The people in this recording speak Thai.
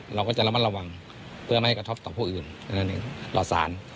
เราก็จะระมัดระวังเพื่อไม่ให้กระทบต่อผู้อื่นต่อสาร